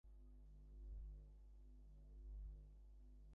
কাঙ্ক্ষন্ত কর্মণাং সিদ্ধিং যজন্ত ইহ দেবতাঃ।